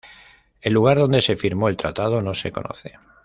El lugar donde se firmó el tratado no se conoce.